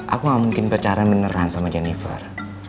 aku nggak mungkin percaya beneran sama jennifer